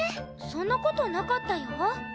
そんな事なかったよ。